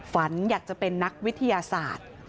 ฝันอยากจะเป็นนักวิทยาศาสตร์